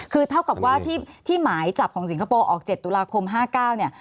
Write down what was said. คือเท่ากับว่าที่หมายจับของสิงคโปร์ออก๗ตุลาคม๕๙เนี่ย